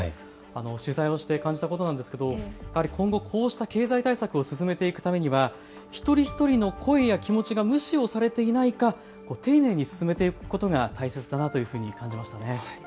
取材をして感じたことなんですけど、やっぱり今後こうした経済対策を進めていくためには一人一人の声や気持ちが無視をされていないか丁寧に進めていくことが大切だなというふうに感じましたね。